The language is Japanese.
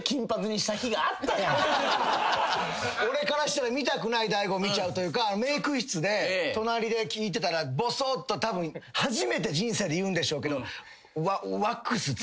俺からしたら見たくない大悟見ちゃうというかメーク室で隣で聞いてたらぼそっとたぶん初めて人生で言うんでしょうけど。